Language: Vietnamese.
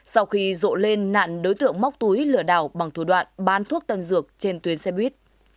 sau khi rộ lên nạn đối tượng móc túi lừa đảo bằng thủ đoạn bán thuốc tân dược trên tuyến xe buýt